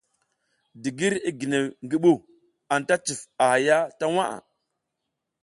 Digir, i ginew ngi ɓu, anta cuf a haya ta waʼa.